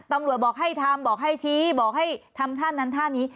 ตำรวจบอกให้ทำบอกให้ชี้บอกให้ทำท่านั้นท่านี้